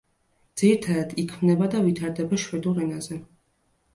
ძირითადად იქმნება და ვითარდება შვედურ ენაზე.